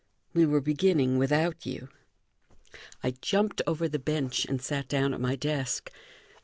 We were beginning without you." I jumped over the bench and sat down at my desk.